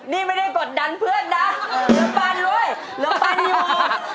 นี่ไม่ได้กดดันเพื่อนนะเหลือปันด้วยเหลือปันอยู่